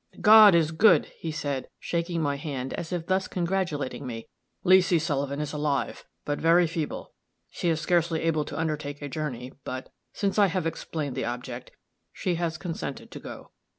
"God is good!" he said, shaking my hand, as if thus congratulating me. "Leesy Sullivan is alive, but very feeble. She is scarcely able to undertake a journey; but, since I have explained the object, she has consented to go.